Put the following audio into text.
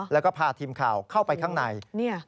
แล้วก็พาทีมข่าวเข้าไปข้างใน